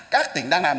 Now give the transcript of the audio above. các tỉnh đã đồng đồng